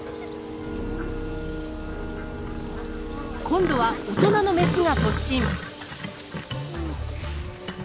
今度は大人のメスが突進。